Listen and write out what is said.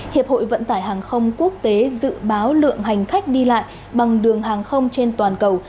hiệp hội vận tải hàng không quốc tế dự báo lượng hành khách đi lại bằng đường hàng không trên toàn cầu